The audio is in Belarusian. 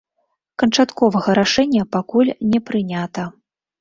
Канчатковага рашэння пакуль не прынята.